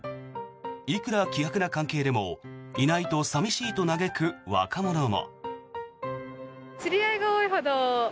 いくら希薄な関係でもいないと寂しいと嘆く若者も。